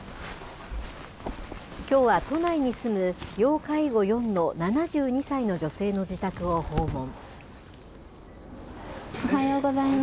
きょうは都内に住む、要介護４の７２歳の女性の自宅を訪問。